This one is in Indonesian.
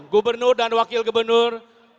gubernur dan wakil gubernur